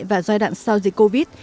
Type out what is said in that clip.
và giai đoạn sau dịch covid